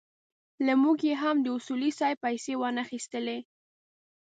له موږ یې هم د اصولي صیب پېسې وانخيستلې.